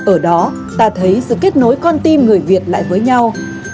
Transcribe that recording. ở đó ta thấy sự kết nối con tim người việt lại với nhau